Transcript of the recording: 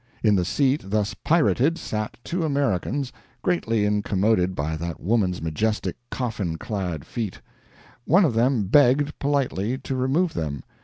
In the seat thus pirated, sat two Americans, greatly incommoded by that woman's majestic coffin clad feet. One of them begged, politely, to remove them.